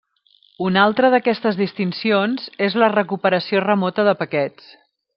Una altra d'aquestes distincions és la recuperació remota de paquets.